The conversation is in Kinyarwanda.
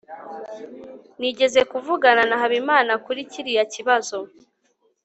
nigeze kuvugana na habimana kuri kiriya kibazo